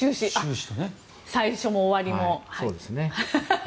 最初も終わりも。